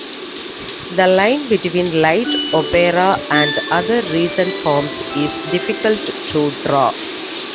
The line between light opera and other recent forms is difficult to draw.